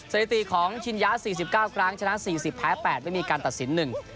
สถิติของชินยา๔๙กลางชนะ๔๐แพ้๘ไม่มีการตัดสินหนึ่ง